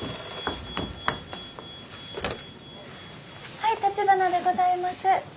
☎はい橘でございます。